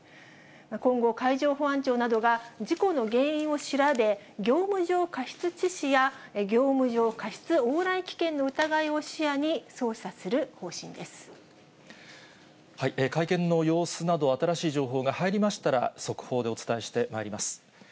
今後、海上保安庁などが事故の原因を調べ、業務上過失致死や業務上過失往来危険の疑いを視野に捜査する方針会見の様子など、新しい情報が入りましたら、速報でお伝えしてまいります。